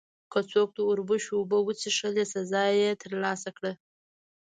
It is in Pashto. که څوک د اوربشو اوبه وڅښلې، سزا یې ترلاسه کړه.